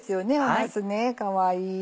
なすねかわいい。